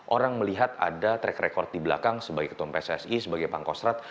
orang melihat ada track record di belakang sebagai ketua pssi sebagai pangkostrat